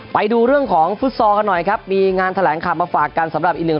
ไปดูเรื่องของฟุตซอลกันหน่อยครับมีงานแถลงข่าวมาฝากกันสำหรับอีกหนึ่ง